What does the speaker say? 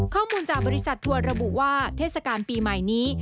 ข้อมูลจากบริษัททัวร์ระบุว่าเทศกาลปีใหม่นี้